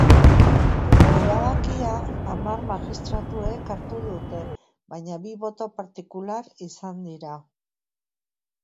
Erabakia hamar magistratuek hartu dute, baina bi boto partikular izan dira.